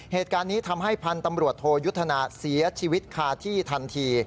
เหตุการณ์นี้ทำให้พันธุ์ตำรวจโทยุทธนาเสียชีวิตคาที่ทันที